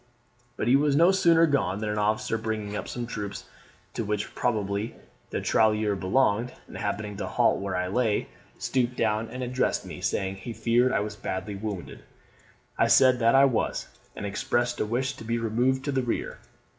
"But he was no sooner gone, than an officer bringing up some troops, to which probably the tirailleur belonged and happening to halt where I lay, stooped down and addressed me, saying, he feared I was badly wounded; I said that I was, and expressed a wish to be removed to the rear.